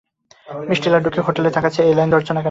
মিষ্টি লাড্ডু খেয়ে হোটেলে থাকার চেয়ে এই লাইন ধরছো না কেন?